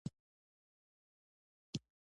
و کلاله څه کوې، له خټې سره پام کوه!